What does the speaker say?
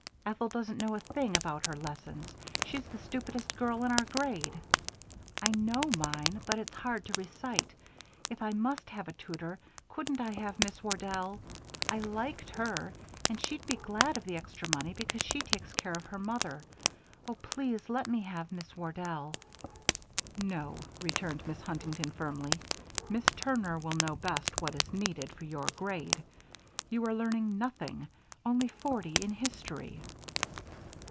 "Ethel doesn't know a thing about her lessons. She's the stupidest girl in our grade. I know mine, but it's hard to recite. If I must have a tutor, couldn't I have Miss Wardell? I liked her and she'd be glad of the extra money because she takes care of her mother. Oh, please let me have Miss Wardell." "No," returned Mrs. Huntington, firmly, "Miss Turner will know best what is needed for your grade. You are learning nothing. Only forty in history."